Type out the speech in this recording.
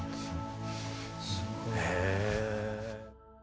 へえ。